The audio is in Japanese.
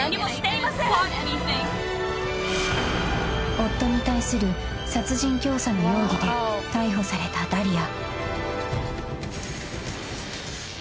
［夫に対する殺人教唆の容疑で逮捕されたダリア］